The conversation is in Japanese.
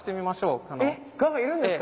蛾がいるんですか？